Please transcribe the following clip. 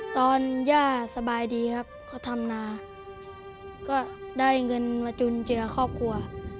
ย่าสบายดีครับเขาทำนาก็ได้เงินมาจุนเจือครอบครัว